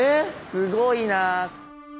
すごいな。